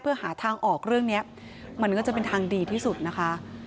เพื่อหาทางออกเรื่องนี้มันก็จะเป็นทางดีที่สุดนะคะ